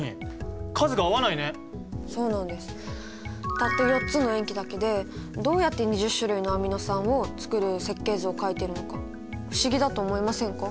たった４つの塩基だけでどうやって２０種類のアミノ酸をつくる設計図を描いてるのか不思議だと思いませんか？